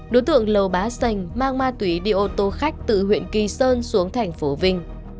đối tượng lầu bá sành mang ma túy đi ô tô khách từ huyện kỳ sơn xuống thành phố vinh